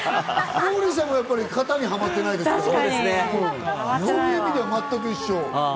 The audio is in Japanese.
モーリーさんも型にはまってないですから、そういう意味では全く一緒。